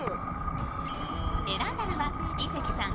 選んだのは、井関さん